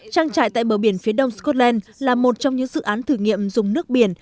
trang trại tại bờ biển phía đông scotland là một trong những dự án thử nghiệm dùng nước biển